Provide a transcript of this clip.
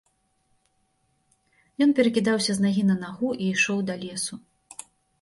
Ён перакідаўся з нагі на нагу і ішоў да лесу.